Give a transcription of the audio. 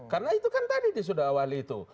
karena itu kan tadi sudah awal itu